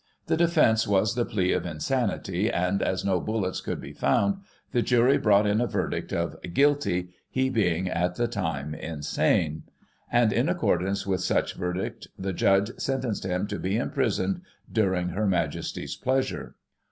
The defence was the plea of insanity, and, as no bullets could be found, the jury brought in a verdict of " Guilty, he being, at the time, insane "; and, in accordance with such verdict, the judge sentenced him to be imprisoned during Her Majesty's pleasure.